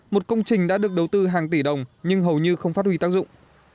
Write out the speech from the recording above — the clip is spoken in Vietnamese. một công trình đã được đầu tư hàng tỷ đồng nhưng hầu như không phát huy tác dụng